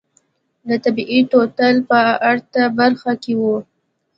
د طبيعي تونل په ارته برخه کې و.